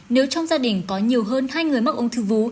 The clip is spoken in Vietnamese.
nếu trong gia đình có nhiều hơn hai người mắc ung thư vú